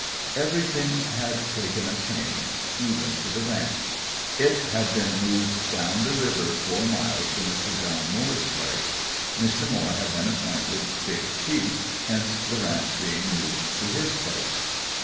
Everything had taken a change even to the ranch. It had been moved down the river four miles to Mr. John Moore's place. Mr. Moore had been appointed "big chief," hence the ranch being moved to his place.